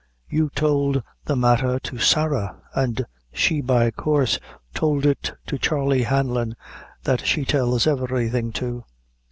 "You tould the matther to Sarah, an' she, by coorse, tould it to Charley Hanlon, that she tells everything to."